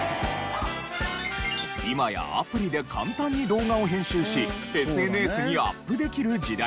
今やアプリで簡単に動画を編集しＳＮＳにアップできる時代。